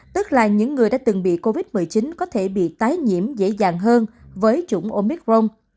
tức là những người đã từng bị covid một mươi chín có thể bị tái nhiễm dễ dàng hơn với chủng omicron